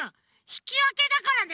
ひきわけだからね。